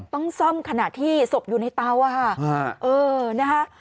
ต้องซ่อมขณะที่ศพอยู่ในเตา